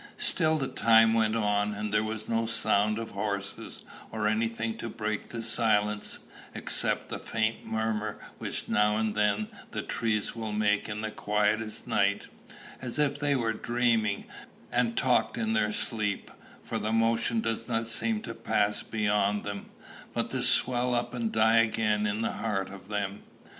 Still the time went on; and there was no sound of horses or any thing to break the silence, except the faint murmur which now and then the trees will make in the quietest night, as if they were dreaming, and talked in their sleep; for the motion does not seem to pass beyond them, but to swell up and die again in the heart of them.